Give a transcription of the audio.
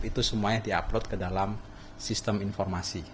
itu semuanya di upload ke dalam sistem informasi